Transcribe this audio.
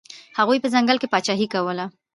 هغوی په ځنګل کې پاچاهي کوله.